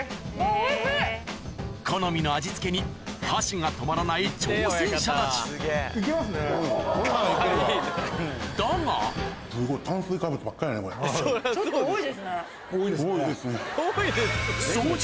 好みの味付けに箸が止まらない挑戦者たちだがすごい。